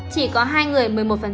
chỉ có hai người